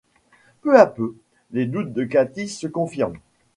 Peu à peu, les doutes de Cathy se confirment.